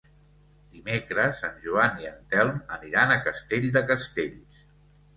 Dimecres en Joan i en Telm aniran a Castell de Castells.